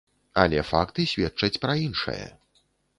Але факты сведчаць пра іншае.